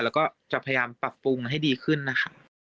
แล้วก็จะพยายามปรับปรุงให้ดีขึ้นนะคะ